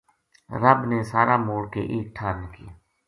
رب نے سارا موڑ کے ایک ٹھار ما کیا